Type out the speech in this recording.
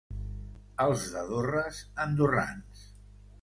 Els de Dorres, andorrans.